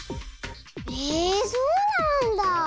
へえそうなんだあ。